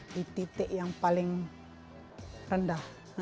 di titik yang paling rendah